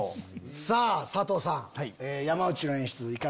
さぁ佐藤さん。